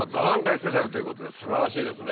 スペシャルということで素晴らしいですね。